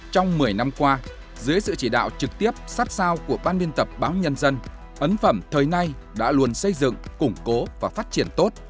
trong một mươi năm qua dưới sự chỉ đạo trực tiếp sát sao của ban biên tập báo nhân dân ấn phẩm thời nay đã luôn xây dựng củng cố và phát triển tốt